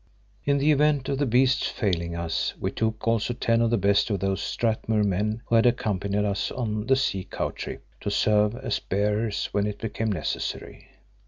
In the event of the beasts failing us, we took also ten of the best of those Strathmuir men who had accompanied us on the sea cow trip, to serve as bearers when it became necessary.